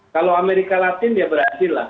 kalau amerika latin ya berhasil lah